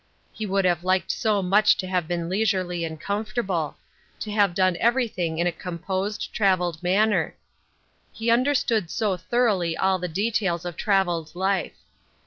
He would have liked so much to have been leisurely and comfortable ; to have done everything in a composed, travelled man ner ; he understood so thoroughly all the details of travelled life.